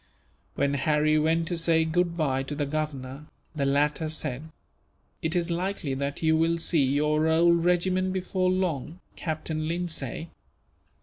When Harry went to say goodbye to the Governor, the latter said: "It is likely that you will see your old regiment before long, Captain Lindsay.